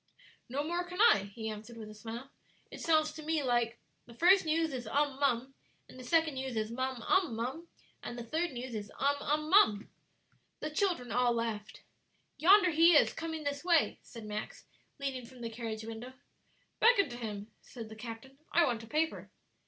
"No more can I," he answered, with a smile; "it sounds to me like 'The first news is um mum, and the second news is mum um mum, and the third news is um um mum." The children all laughed. "Yonder he is, coming this way," said Max, leaning from the carriage window. "Beckon to him," said the captain; "I want a paper."